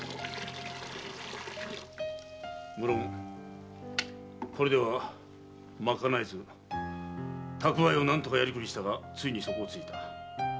むろんこれでは賄えず蓄えを何とかやりくりしたがついに底をついた。